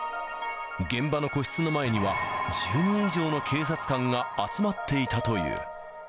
現場の個室の前には、１０名以上の警察官が集まっていたという。